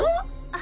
あ。